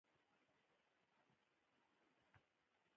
غر په درناوی کې ولاړ دی.